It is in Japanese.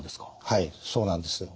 はいそうなんです。